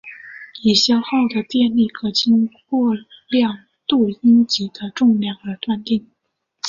已消耗的电力可经过量度阴极的重量而断定。